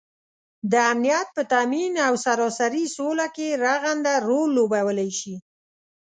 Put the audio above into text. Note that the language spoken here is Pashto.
دامنیت په تآمین او سراسري سوله کې رغنده رول لوبوالی شي